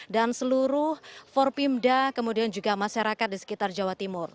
dan seluruh forpimda kemudian juga masyarakat di sekitar jawa timur